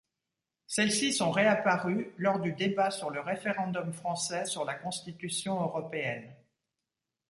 Celles-ci sont réapparues lors du débat sur le Référendum français sur la constitution européenne.